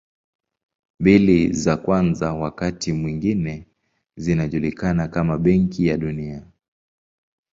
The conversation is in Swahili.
Mbili za kwanza wakati mwingine zinajulikana kama Benki ya Dunia.